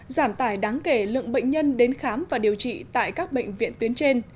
giảm tải đáng kể lượng bệnh nhân đến khám và điều trị tại các bệnh viện tuyến trên